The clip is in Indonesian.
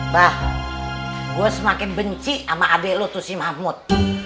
bah gue semakin benci sama adik lo tuh si mahmud